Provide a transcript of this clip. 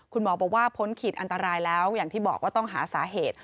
คุณหมอบอกว่าพ้นขีดอันตรายแล้วอย่างที่บอกว่าต้องหาสาเหตุ